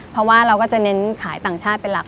เพราะว่าเราก็จะเน้นขายต่างชาติเป็นหลัก